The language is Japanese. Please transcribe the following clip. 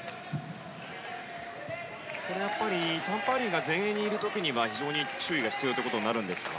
タン・パーリーが前衛にいる時には非常に注意が必要ということになるんですか？